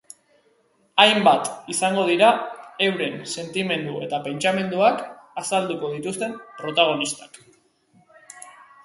Hainbat izango dira euren sentimendu eta pentsamenduak azalduko dituzten protagonistak.